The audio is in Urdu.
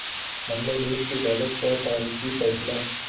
بنگلہ دیش کی عدالت کا تاریخی فیصلہ